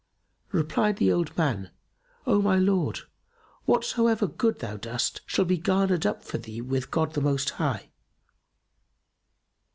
Replied the old man, "O my lord, whatsoever good thou dost shall be garnered up for thee with God the Most High!"